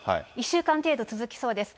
１週間程度続きそうです。